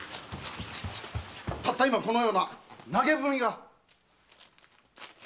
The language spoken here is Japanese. たったいまこのような投げ文が！